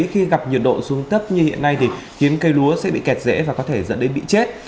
khi gặp nhiệt độ xuống thấp như hiện nay thì khiến cây lúa sẽ bị kẹt dễ và có thể dẫn đến bị chết